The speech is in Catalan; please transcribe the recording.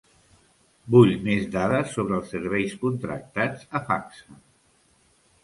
Vull més dades sobre els serveis contractats a Facsa.